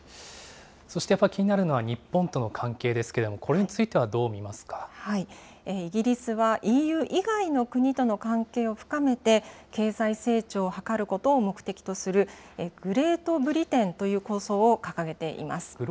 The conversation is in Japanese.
そしてやっぱり気になるのは、日本との関係ですけれども、これイギリスはＥＵ以外の国との関係を深めて、経済成長を図ることを目的とする、グレート・ブリテンという構想を掲げています。